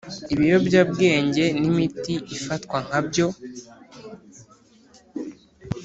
ibiyobyabwenge n imiti ifatwa nkabyo